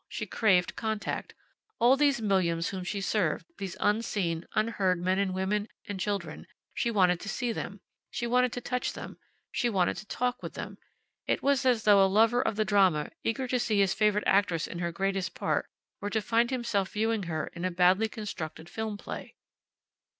She craved contact. All these millions whom she served these unseen, unheard men and women, and children she wanted to see them. She wanted to touch them. She wanted to talk with them. It was as though a lover of the drama, eager to see his favorite actress in her greatest part, were to find himself viewing her in a badly constructed film play.